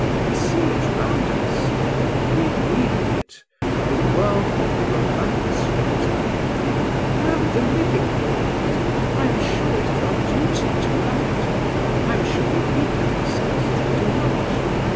We see it round us." "We read of it. The world of the romance writer!" "No: the living world. I am sure it is our duty to love it. I am sure we weaken ourselves if we do not.